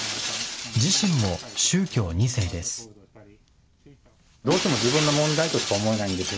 自身も宗教２世です。